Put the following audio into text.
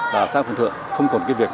là xã phương tượng không còn cái việc